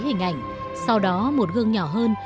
hình ảnh sau đó một gương nhỏ hơn